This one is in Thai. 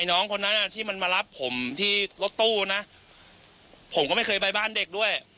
น้องคนนั้นที่มันมารับผมที่รถตู้นะผมก็ไม่เคยไปบ้านเด็กด้วย